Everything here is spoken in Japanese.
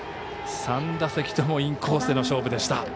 ３打席ともインコースでの勝負でした。